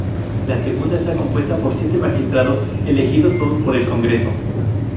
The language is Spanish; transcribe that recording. La segunda está compuesta por siete magistrados elegidos todos por el Congreso.